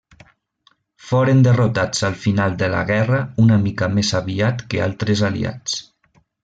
Foren derrotats al final de la guerra una mica més aviat que altres aliats.